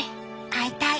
会いたい